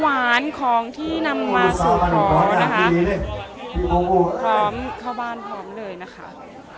หวานของที่นำมาสู่ขอนะคะพร้อมเข้าบ้านพร้อมเลยนะคะ